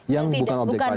yang bukan objek pajak